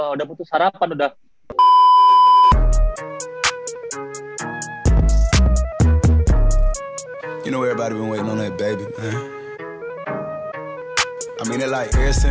udah gak jadi kayak udah putus harapan udah